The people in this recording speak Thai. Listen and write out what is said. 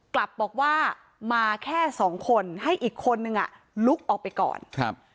กลับบอกว่ามาแค่สองคนให้อีกคนนึงอ่ะลุกออกไปก่อนครับ